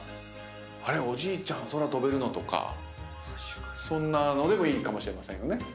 おじいちゃん空飛べるの⁉とかそんなのでもいいかもしれませんよね。